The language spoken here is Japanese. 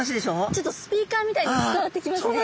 ちょっとスピーカーみたいに伝わってきますね。